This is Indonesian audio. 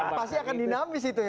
pasti akan dinamis itu ya